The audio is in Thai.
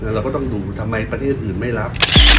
เราก็ต้องดูทำไมประเทศอื่นไม่รับ